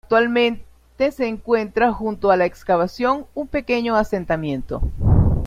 Actualmente se encuentra junto a la excavación un pequeño asentamiento.